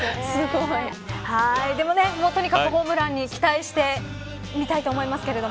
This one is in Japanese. でも本当にホームランに期待してみたいと思いますけど。